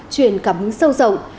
truyền cảm hứng sâu rộng